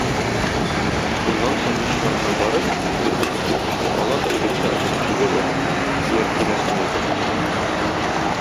Шуннан соң мич янына барып, бер бөтен кирпечне ала да егеткә ыргытып җибәрә, тияр-тимәс кенә итеп.